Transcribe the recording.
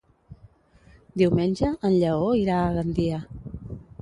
Diumenge en Lleó irà a Gandia.